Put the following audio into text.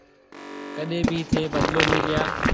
ڪڏيَ ڀِي ٿَي بدلو نِي ليا۔